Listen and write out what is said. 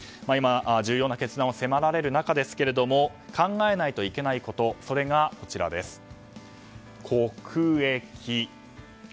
今、重要な決断を迫られる中ですが考えないといけないことがこちらです。